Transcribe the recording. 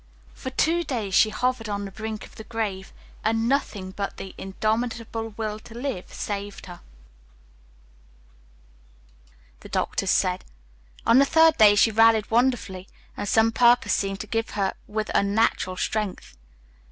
For two days she hovered on the brink of the grave, and nothing but the indomitable will to live saved her, the doctors said. On the third day she rallied wonderfully, and some purpose seemed to gift her with unnatural strength.